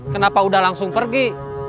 kenapa udah langsung pergi